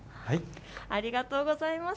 ありがとうございます。